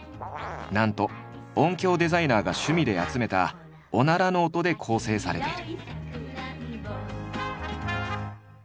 なんと音響デザイナーが趣味で集めた「おなら」の音で構成されている。